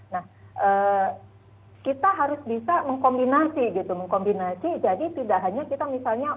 nah kita harus bisa mengkombinasi gitu mengkombinasi jadi tidak hanya kita misalnya